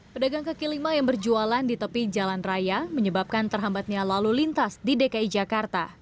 pedagang kaki lima yang berjualan di tepi jalan raya menyebabkan terhambatnya lalu lintas di dki jakarta